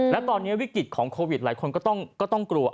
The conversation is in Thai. แล้วตอนนี้วิกฤตของโควิดหลายคนก็ต้องกลัว